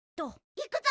いくぞ！